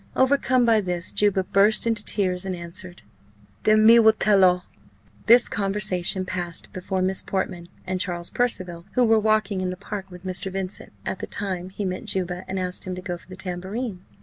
Overcome by this, Juba burst into tears, and answered: "Den me will tell all." This conversation passed before Miss Portman and Charles Percival, who were walking in the park with Mr. Vincent, at the time he met Juba and asked him to go for the tambourine.